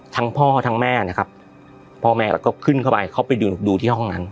ทั้งพ่อทั้งแม่นะครับพ่อแม่เขาก็ขึ้นเข้าไปเขาไปดูดูที่ห้องนั้น